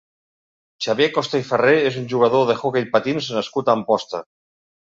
Xavier Costa i Ferré és un jugador d'hoquei patins nascut a Amposta.